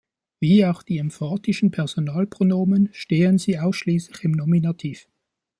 Wie auch die Emphatischen Personalpronomen stehen sie ausschließlich im Nominativ.